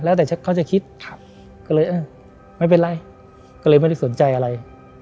แล้วแต่เขาจะคิดก็เลยเออไม่เป็นไรก็เลยไม่ได้สนใจอะไร